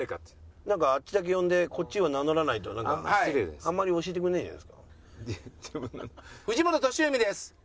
なんかあっちだけ呼んでこっちは名乗らないとなんかあんまり教えてくれないんじゃないですか？